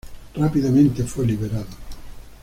Rápidamente fue liberado.